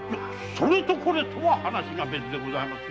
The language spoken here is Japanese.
それとこれとは話が別でございますよ。